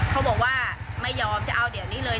เขาบอกว่าไม่ยอมจะเอาเดี๋ยวนี้เลย